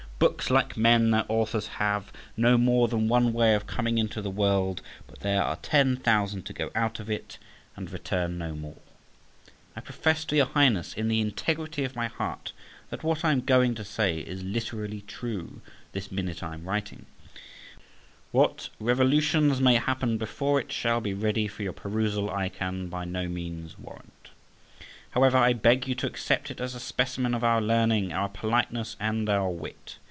Books, like men their authors, have no more than one way of coming into the world, but there are ten thousand to go out of it and return no more. I profess to your Highness, in the integrity of my heart, that what I am going to say is literally true this minute I am writing; what revolutions may happen before it shall be ready for your perusal I can by no means warrant; however, I beg you to accept it as a specimen of our learning, our politeness, and our wit.